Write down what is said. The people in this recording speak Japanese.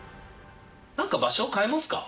なんか場所変えますか？